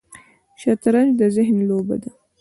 شطرنج د ذهن لوبه ده